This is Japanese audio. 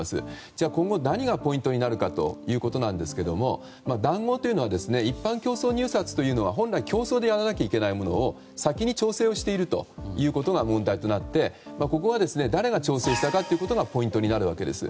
じゃあ今後、何がポイントになるかなんですが談合というのは一般競争入札というのは本来競争でやらなきゃいけないことを先に調整していることが問題でここは誰が調整したかということがポイントになるわけです。